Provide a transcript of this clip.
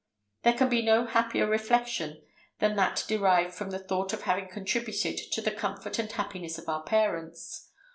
There can be no happier reflection than that derived from the thought of having contributed to the comfort and happiness of our parents.